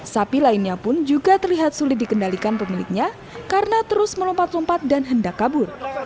sapi lainnya pun juga terlihat sulit dikendalikan pemiliknya karena terus melompat lompat dan hendak kabur